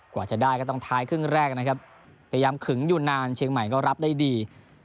กว่าจะได้ก็ต้องท้ายครึ่งแรกนะครับพยายามขึงอยู่นานเชียงใหม่ก็รับได้ดี